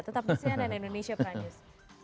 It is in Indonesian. tetap di sian and indonesia prime news